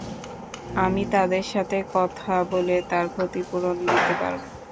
আমি তাদের সাথে কথা বলে তার ক্ষতি পূরণ দিতে পারব।